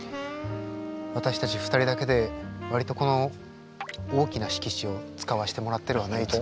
私たち２人だけで割とこの大きな敷地を使わせてもらってるわねいつも。